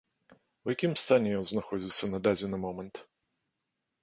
У якім стане ён знаходзіцца на дадзены момант?